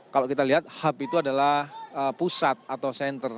kalau kita lihat hub itu adalah pusat atau center